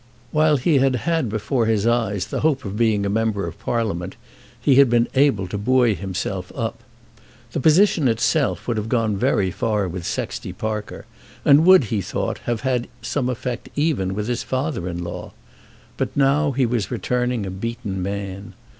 While he had had before his eyes the hope of being a member of Parliament he had been able to buoy himself up. The position itself would have gone very far with Sexty Parker, and would, he thought, have had some effect even with his father in law. But now he was returning a beaten man.